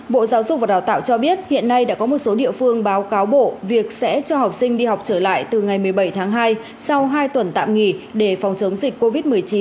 bộ giáo dục và đào tạo cho biết hiện nay đã có một số địa phương báo cáo bộ việc sẽ cho học sinh đi học trở lại từ ngày một mươi bảy tháng hai sau hai tuần tạm nghỉ để phòng chống dịch covid một mươi chín